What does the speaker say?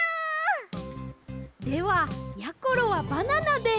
ではやころはバナナで。